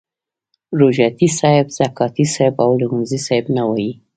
روژه تي صاحب، زکاتې صاحب او لمونځي صاحب نه وایي.